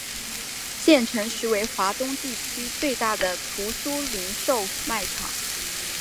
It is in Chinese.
建成时为华东地区最大的图书零售卖场。